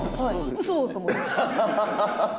うそー？と思って。